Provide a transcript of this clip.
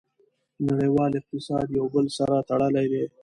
نړیوال اقتصاد یو بل سره تړلی دی.